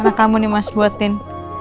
apa kamu nih mas buatin